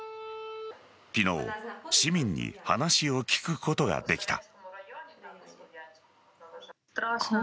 昨日、市民に話を聞くことができた。